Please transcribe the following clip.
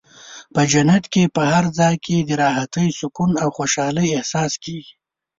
په جنت کې په هر ځای کې د راحتۍ، سکون او خوشحالۍ احساس کېږي.